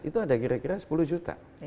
itu ada kira kira sepuluh juta